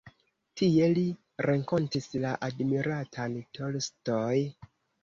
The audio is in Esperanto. Tie li renkontis la admiratan Tolstoj.